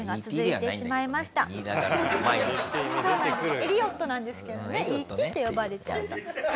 エリオットなんですけどね「Ｅ．Ｔ．」って呼ばれちゃうと。